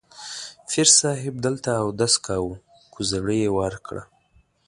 پیر صاحب دلته اودس کاوه، کوزړۍ یې وار کړه.